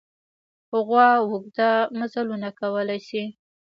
غوا اوږده مزلونه کولی شي.